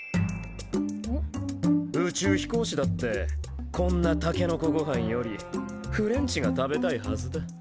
宇宙飛行士だってこんなたけのこごはんよりフレンチが食べたいはずだ。